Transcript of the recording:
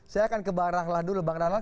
saya akan ke barang ladu lebang ranang